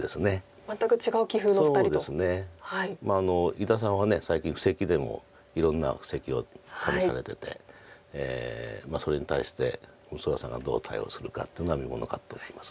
伊田さんは最近布石でもいろんな布石を試されててそれに対して六浦さんがどう対応するかっていうのは見ものかと思います。